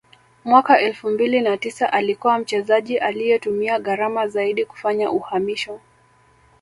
mwaka elfu mbili na tisa alikuwa mchezaji aliye tumia gharama zaidi kufanya uhamisho